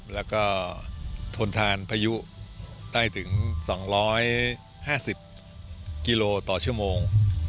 แล้วก็ทนทานพายุได้ถึง๒๕๐กิโลต่อชั่วโมง